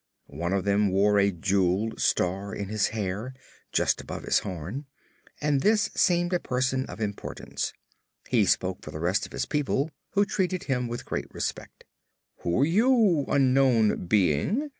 One of them wore a jeweled star in his hair, just above his horn, and this seemed a person of importance. He spoke for the rest of his people, who treated him with great respect. "Who are you, Unknown Being?"